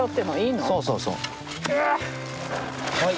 はい。